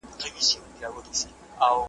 زه اوږده وخت انځورونه رسم کوم؟!